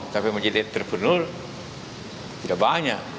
tapi menjadi entrepreneur tidak banyak